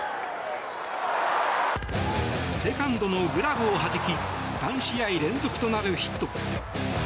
セカンドのグラブをはじき３試合連続となるヒット。